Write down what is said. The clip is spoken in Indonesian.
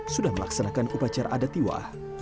sudah melaksanakan upacara adatiwa